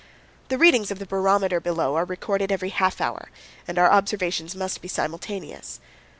The readings of the barometer below are recorded every half hour and our observations must be simultaneous.